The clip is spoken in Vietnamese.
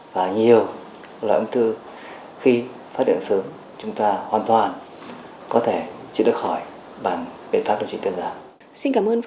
và nhiều loại ung tư khi phát hiện sớm chúng ta hoàn toàn có thể chữa đỡ khỏi bằng biện pháp điều trị tiêu giảm